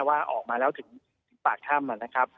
ว่าออกมาแล้วถึงปากถ้ำนะครับ